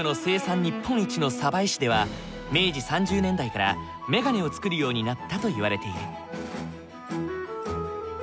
日本一の江市では明治３０年代からメガネを作るようになったといわれている。